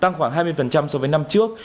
tăng khoảng hai mươi so với năm trước